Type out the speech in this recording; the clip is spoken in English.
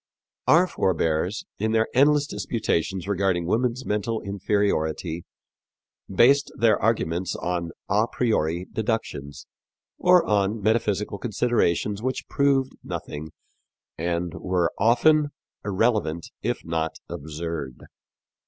Our forebears, in their endless disputations regarding woman's mental inferiority, based their arguments on a priori deductions, or on metaphysical considerations which proved nothing and which were often irrelevant, if not absurd.